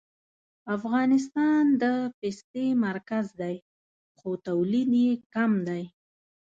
افغانستان د پستې مرکز دی خو تولید یې کم دی